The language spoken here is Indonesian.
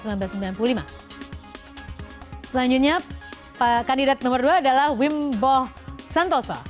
selanjutnya kandidat nomor dua adalah wimbo santoso